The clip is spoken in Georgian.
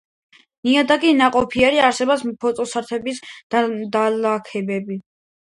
ნიადაგი ნაყოფიერია, არსებობს ფოსფორიტების დანალექები.